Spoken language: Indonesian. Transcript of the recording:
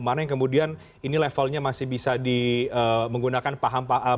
mana yang kemudian ini levelnya masih bisa menggunakan pola pola deradikalisasi